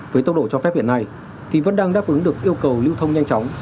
với tốc độ cho phép hiện nay thì vẫn đang đáp ứng được yêu cầu lưu thông nhanh chóng